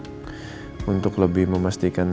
ryan ada sembuh tapi untuk